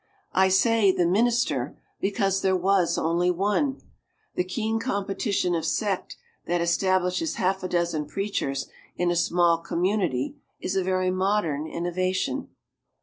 I say "the minister," because there was only one: the keen competition of sect that establishes half a dozen preachers in a small community is a very modern innovation.